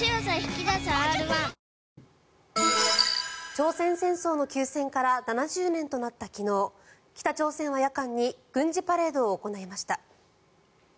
朝鮮戦争の休戦から７０年となった昨日北朝鮮は夜間に軍事パレードを行いました。